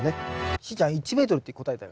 しーちゃん１メートルって答えたよね。